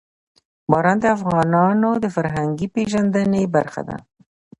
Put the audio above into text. باران د افغانانو د فرهنګي پیژندنې برخه ده.